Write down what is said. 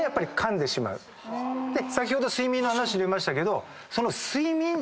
先ほど睡眠の話出ましたけど。